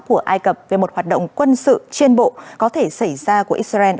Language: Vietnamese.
của ai cập về một hoạt động quân sự trên bộ có thể xảy ra của israel